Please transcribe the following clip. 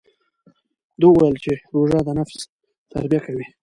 ده وویل چې روژه د نفس تربیه کوي.